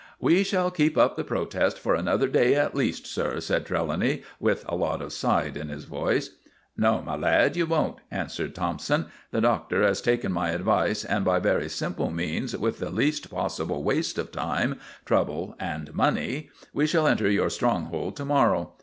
"We shall keep up the protest for another day at least, sir," said Trelawny, with a lot of side in his voice. "No, my lad, you won't," answered Thompson. "The Doctor has taken my advice, and by very simple means, with the least possible waste of time, trouble, and money, we shall enter your stronghold to morrow.